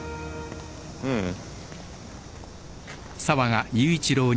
ううん。